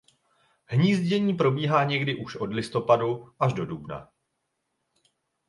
Hnízdění probíhá někdy už od listopadu až do dubna.